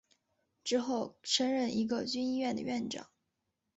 之后升任一个军医院的院长。